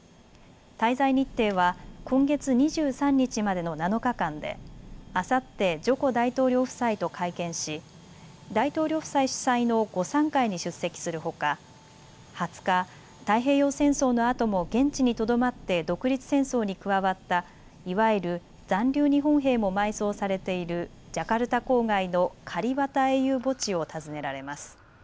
滞在日程は今月２３日までの７日間であさってジョコ大統領夫妻と会見し大統領夫妻主催の午さん会に出席するほか２０日、太平洋戦争のあとも現地にとどまって独立戦争に加わったいわゆる残留日本兵も埋葬されているジャカルタ郊外のカリバタ英雄墓地を訪ねられます。